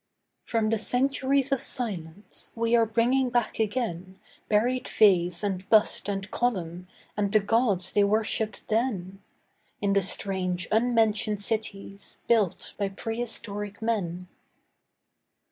From the Centuries of Silence We are bringing back again Buried vase and bust and column And the gods they worshipped then, In the strange unmentioned cities Built by prehistoric men.